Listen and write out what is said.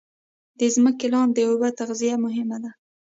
د ځمکې لاندې اوبو تغذیه مهمه ده